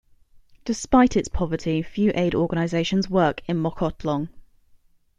Despite its poverty, few aid organizations work in Mokhotlong.